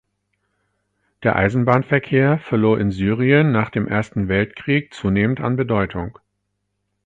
Der Eisenbahnverkehr verlor in Syrien nach dem Ersten Weltkrieg zunehmend an Bedeutung.